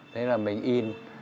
thế là mình in